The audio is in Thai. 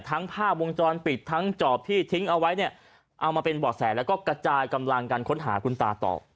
ภาพวงจรปิดทั้งจอบที่ทิ้งเอาไว้เนี่ยเอามาเป็นบ่อแสแล้วก็กระจายกำลังกันค้นหาคุณตาต่อ